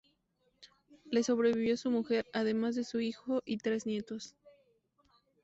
Le sobrevivió su mujer, además de su hijo y tres nietos.